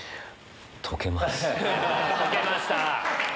溶けました！